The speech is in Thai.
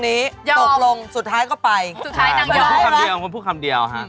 หน้าตามจามไปเถอะเนาะโอ้แล้วไม่เหลือหนึ่ง